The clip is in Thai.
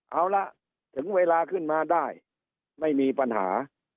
เอาละถึงเวลาขึ้นมาได้ไม่มีปัญหา